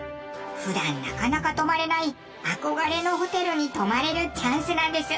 普段なかなか泊まれない憧れのホテルに泊まれるチャンスなんです。